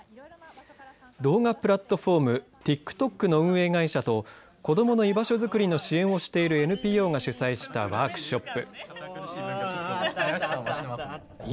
動画プラットフォームＴｉｋＴｏｋの運営会社と子どもの居場所づくりの支援をしているＮＰＯが主催したワークショップ。